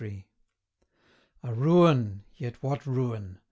A ruin yet what ruin!